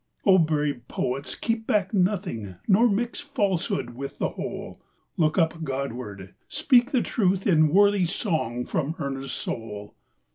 O brave poets, keep back nothing ; Nor mix falsehood with the whole ! Look up Godward! speak the truth in Worthy song from earnest soul